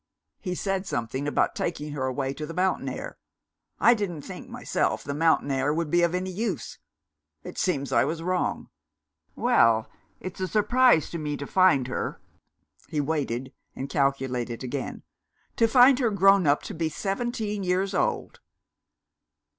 He said something about taking her away to the mountain air. I didn't think, myself, the mountain air would be of any use. It seems I was wrong. Well! it's a surprise to me to find her " he waited, and calculated again, "to find her grown up to be seventeen years old."